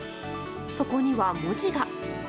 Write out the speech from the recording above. そこには、文字が。